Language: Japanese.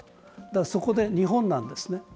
そこで日本なんですね。